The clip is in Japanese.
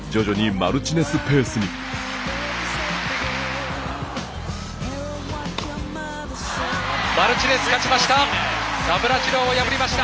マルチネス勝ちました。